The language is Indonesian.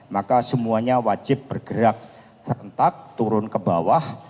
maka semuanya wajib bergerak serentak turun ke bawah